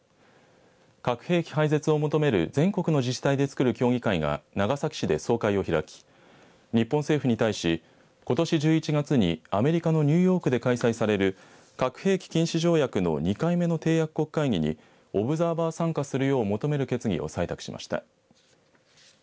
核兵器廃絶を求める全国の自治体で作る協議会が長崎市で総会を開き日本政府に対し、ことし１１月にアメリカのニューヨークで開催される核兵器禁止条約の２回目の締約国会議にオブザーバー参加するよう求める決議を採択しました。